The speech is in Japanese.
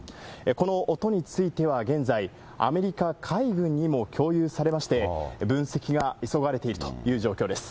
この音については現在、アメリカ海軍にも共有されまして、分析が急がれているという状況です。